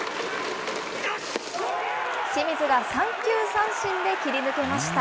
清水が三球三振で切り抜けました。